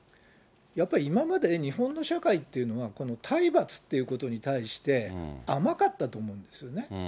やっぱり今まで日本の社会っていうのは、この体罰っていうことに対して、甘かったと思うんですよね。